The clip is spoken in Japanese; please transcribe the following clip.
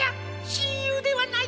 しんゆうではないか。